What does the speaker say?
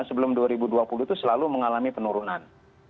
sebelum dua ribu dua puluh itu selalu mengalami penurunan